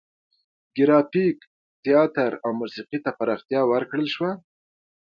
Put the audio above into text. ګرافیک، تیاتر او موسیقي ته پراختیا ورکړل شوه.